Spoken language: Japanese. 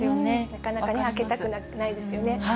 なかなかね、開けたくないですよね。